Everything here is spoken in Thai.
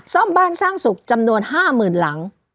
ซ่อมบ้านสร้างสุขจำนวน๕๐๐๐หลัง